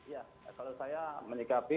ya kalau saya menikapi